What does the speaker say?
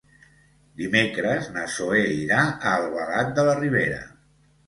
Dimecres na Zoè irà a Albalat de la Ribera.